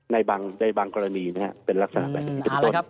ในบางกรณีเป็นลักษณะแบบนี้